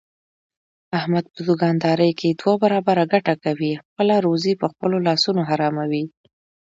احمد په دوکاندارۍ کې دوه برابره ګټه کوي، خپله روزي په خپلو لاسونو حراموي.